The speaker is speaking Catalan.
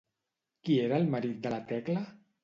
Qui era el marit de la Tecla?